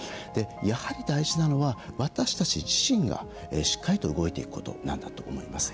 やはり大事なのは私たち自身がしっかりと動いていくことなんだと思います。